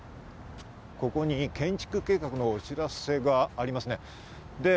ここに建築計画のお知らせがあります。